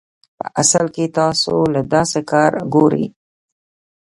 پۀ اصل کښې تاسو له داسې کار ګوري